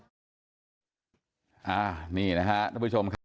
นี่นะครับทุกผู้ชม